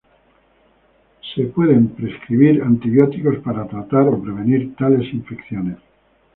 Se pueden prescribir antibióticos para tratar o prevenir tales infecciones.